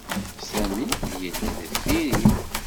Sami yella deffir-i.